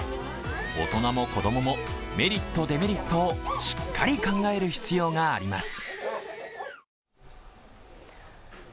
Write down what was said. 大人も子供も、メリット、デメリットをしっかり考える必要があります。